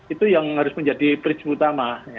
itu yang harus menjadi prinsip utama